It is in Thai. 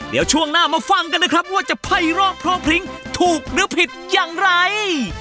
เดี๋ยวช่วงหน้ามาฟังกันนะครับว่าจะไพ่รอบเพราะพริ้งถูกหรือผิดอย่างไร